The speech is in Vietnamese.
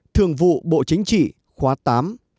thường vụ bộ chính trị khóa tám